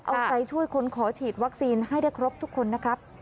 เอาใจช่วยคนขอฉีดวัคซีนให้ได้ครบทุกคนนะครับ